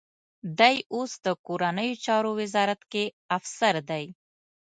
دی اوس د کورنیو چارو وزارت کې افسر دی.